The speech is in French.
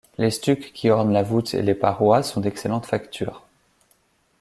Les stucs qui ornent la voûte et les parois sont d'excellente facture.